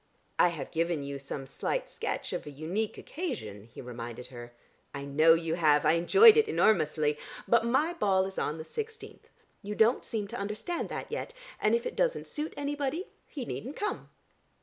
"I have given you some slight sketch of a unique occasion," he reminded her. "I know you have. I enjoyed it enormously. But my ball is on the sixteenth; you don't seem to understand that yet. And if it doesn't suit anybody he needn't come."